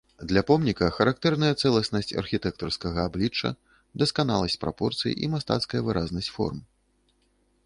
Для помніка характэрная цэласнасць архітэктарскага аблічча, дасканаласць прапорцый і мастацкая выразнасць форм.